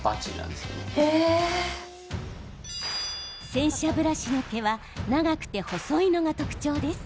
洗車ブラシの毛は長くて細いのが特徴です。